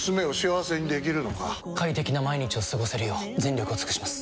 快適な毎日を過ごせるよう全力を尽くします！